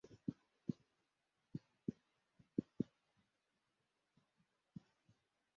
Abagabo bambaye amashati yumukara hamwe namakoti ya orange bagenda orange nubwato bubisi